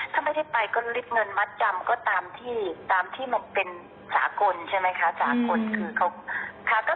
ถ้าไม่ได้ไปก็ลิดเงินมัดจำก็ตามที่ตามที่มันเป็นสากลใช่ไหมคะสากลคือเขา